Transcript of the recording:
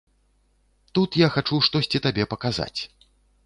Тут я хачу штосьці табе паказаць.